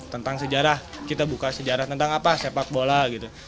tentang sejarah kita buka sejarah tentang apa sepak bola gitu